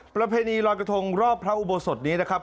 ประเพณีลอยกระทงรอบพระอุโบสถนี้นะครับ